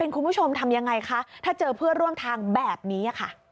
คุณผู้ชมทำยังไงคะถ้าเจอเพื่อนร่วมทางแบบนี้ค่ะ